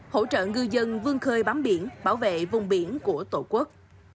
hỗ trợ ngư dân vương khơi bám biển bảo vệ vùng biển của tổ quốc